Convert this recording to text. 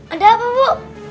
ada apa bu